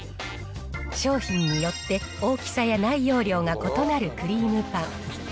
商品によって、大きさや内容量が異なるクリームパン。